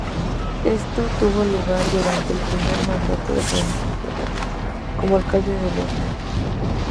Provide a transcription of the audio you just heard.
Esto tuvo lugar durante el primer mandato de Francisco Fernández como alcalde de León.